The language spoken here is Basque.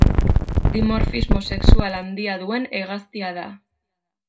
Dimorfismo sexual handia duen hegaztia da.